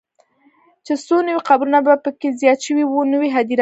چې څو نوي قبرونه به پکې زیات شوي وو، نوې هدیره وه.